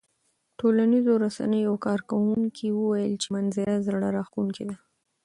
ټولنیزو رسنیو یو کاروونکي وویل چې منظره زړه راښکونکې ده.